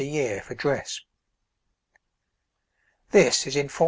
a year for dress. This is in 1415.